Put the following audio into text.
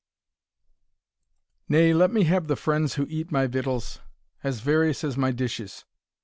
Nay, let me have the friends who eat my victuals, As various as my dishes.